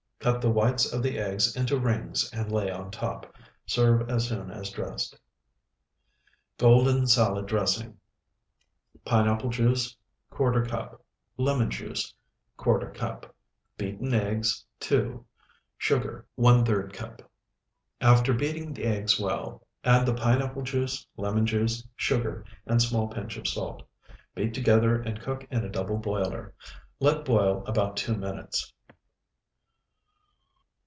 Cut the whites of the eggs into rings and lay on top. Serve as soon as dressed. GOLDEN SALAD DRESSING Pineapple juice, ¼ cup. Lemon juice, ¼ cup. Beaten eggs, 2. Sugar, ⅓ cup. After beating the eggs well, add the pineapple juice, lemon juice, sugar, and small pinch of salt. Beat together and cook in double boiler. Let boil about two minutes.